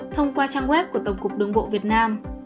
thông qua trang web của tổng cục đường bộ việt nam